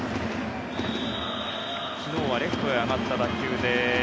昨日はレフトへ上がった打球で。